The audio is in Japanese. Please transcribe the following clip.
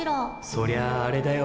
そりゃああれだよ。